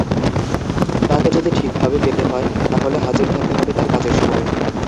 তাঁকে যদি ঠিকভাবে পেতে হয়, তাহলে হাজির থাকতে হবে তাঁর কাজের সময়।